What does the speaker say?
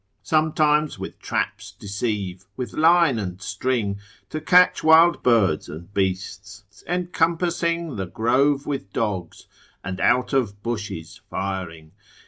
Sometimes with traps deceive, with line and string To catch wild birds and beasts, encompassing The grove with dogs, and out of bushes firing.